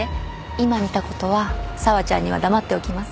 今見たことは紗和ちゃんには黙っておきます。